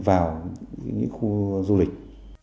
vào những khu du lịch